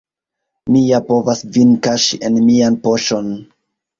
Mi ja povas vin kaŝi en mian poŝon!